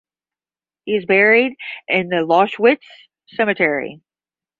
He is buried in the Loschwitz Cemetery.